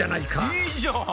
いいじゃん！